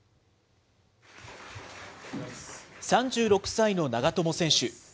３６歳の長友選手。